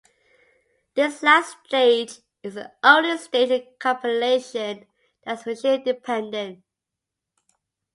This last stage is the only stage in compilation that is machine dependent.